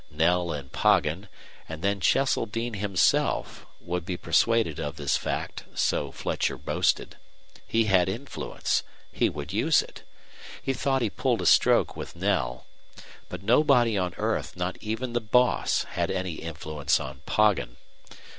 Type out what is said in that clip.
Knell and Poggin, and then Cheseldine himself, would be persuaded of this fact, so Fletcher boasted. He had influence. He would use it. He thought he pulled a stroke with Knell. But nobody on earth, not even the boss, had any influence on Poggin.